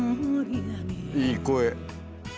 いい声！